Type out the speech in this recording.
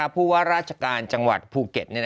ผู้ว่าราชการจังหวัดภูเก็ต